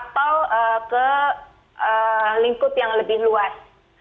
atau ke lingkup yang lebih luas